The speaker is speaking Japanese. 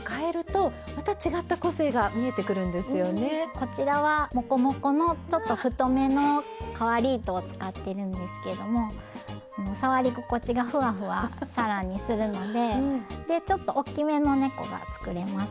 こちらはモコモコのちょっと太めの変わり糸を使ってるんですけども触り心地がふわふわ更にするのででちょっと大きめのねこが作れます。